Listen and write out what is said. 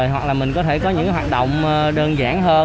hoặc là mình có thể có những hoạt động đơn giản hơn